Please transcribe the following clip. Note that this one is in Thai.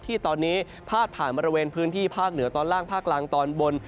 ที่ตอนนี้พาดผ่านบริเวณพื้นที่ภาคเหนือตอนล่างภาคกลางตอนบน